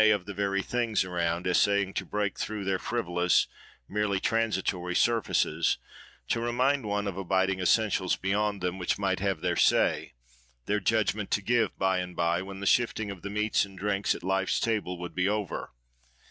of the very things around, essaying to break through their frivolous, merely transitory surfaces, to remind one of abiding essentials beyond them, which might have their say, their judgment to give, by and by, when the shifting of the meats and drinks at life's table would be over?